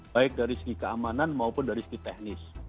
baik dari segi keamanan maupun dari segi teknis